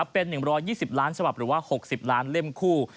เป็น๑๒๐ล้านฉบับหรือว่า๖๐ล้านเล่มคู่